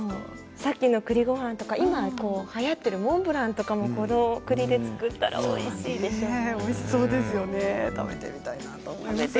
さっきのくりごはんとか今はやってるモンブランもこのくりで作ったらおいしいでしょうね。